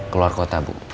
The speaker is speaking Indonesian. keluar kota bu